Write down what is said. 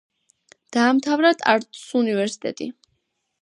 დაამთავრა ტარტუს უნივერსიტეტი.